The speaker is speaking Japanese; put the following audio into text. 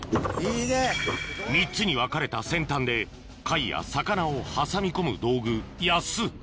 ３つに分かれた先端で貝や魚を挟み込む道具ヤス